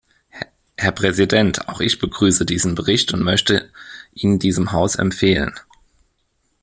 Herr Präsident, auch ich begrüße diesen Bericht und möchte ihn diesem Haus empfehlen.